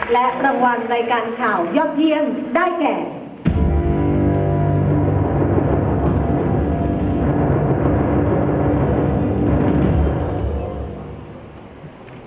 และประวัติในการข่าวยอบเยี่ยมได้แกกะ